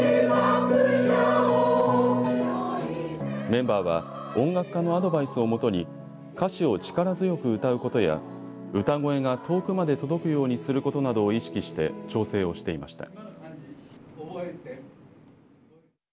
メンバーは音楽家のアドバイスをもとに歌詞を力強く歌うことや歌声が遠くまで届くようにすることなどを意識して調整をしていました。